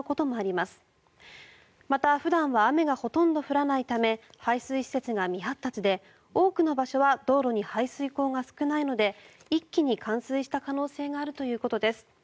また、普段は雨がほとんど降らないため排水施設が未発達で多くの場所は道路に排水溝が少ないので一気に冠水した可能性があるということです。